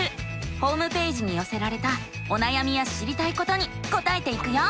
ホームページによせられたおなやみや知りたいことに答えていくよ。